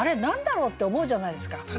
何だろうって思うじゃないですか。